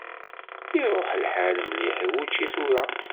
Iruḥ lḥal mliḥ i wučči tura.